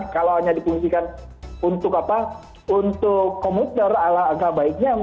kalau hanya dipungsikan untuk komuter alangkah baiknya